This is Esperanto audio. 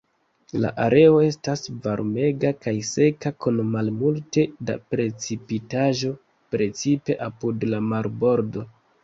La areo estas varmega kaj seka kun malmulte da precipitaĵo, precipe apud la marbordo.